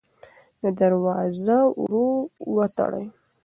دروازه ورو وتړئ.